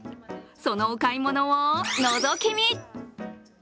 そのお買い物をのぞき見。